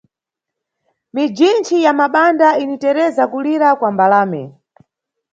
Mijinchi ya mabanda initereza kulira kwa mbalame!